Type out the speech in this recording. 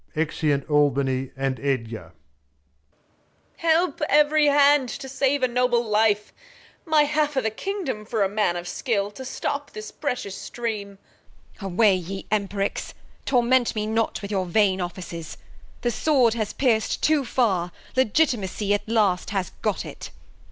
[Exit Albany and Edgar. Reg. Help every Hand to save a noble Life ; Act v] King Lear 247 My half o'th' Kingdom for a Man of SkiU To stop this precious Stream. Bast. Away ye Empericks, Torment me not with your vain Offices ; The Sword has pierc'd too far ; Legitimacy At last has got it.